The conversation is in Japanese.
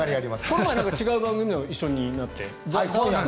この前違う番組でも一緒になって。